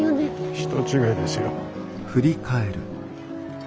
人違いですよ。